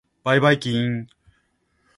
ばいばいきーーーん。